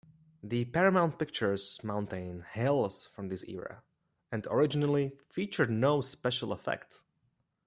The Paramount Pictures mountain hails from this era, and originally featured no special effects.